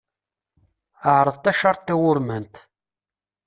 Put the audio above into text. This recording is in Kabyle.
Ɛṛeḍ taččart tawurmant.